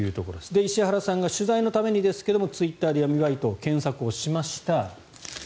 石原さんが取材のためにですがツイッターで闇バイトを検索しました。